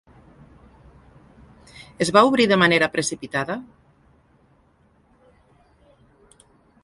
Es va obrir de manera precipitada?